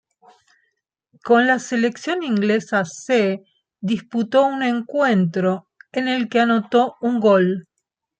Con la selección inglesa C disputó un encuentro, en el que anotó un gol.